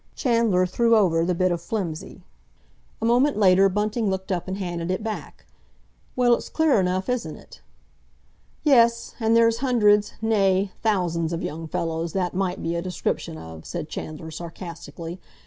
Chandler threw over the bit of flimsy. A moment later Bunting looked up and handed it back. "Well, it's clear enough, isn't it?" "Yes. And there's hundreds—nay, thousands—of young fellows that might be a description of," said Chandler sarcastically.